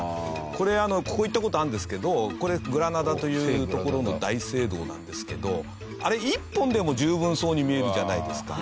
これここ行った事あるんですけどこれグラナダという所の大聖堂なんですけどあれ１本でも十分そうに見えるじゃないですか。